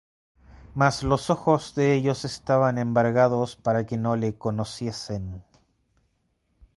Mas los ojos de ellos estaban embargados, para que no le conociesen.